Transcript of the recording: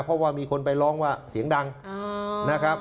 เพราะว่ามีคนไปร้องว่าเสียงดังนะครับ